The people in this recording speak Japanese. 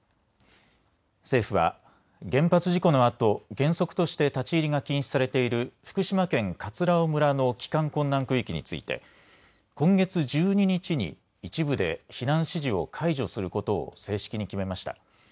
政府は原発事故のあと原則として立ち入りが禁止されている福島県葛尾村の帰還困難区域について今月１２日に一部で避難指示を解除することを正式に決めました。